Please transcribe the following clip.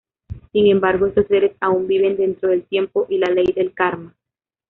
Sin embargo, estos seres aún viven dentro del tiempo y la ley del karma.